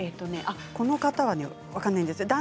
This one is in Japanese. この方は分からないです。